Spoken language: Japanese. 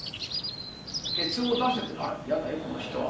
ケツを出せっていやだよ、この人は。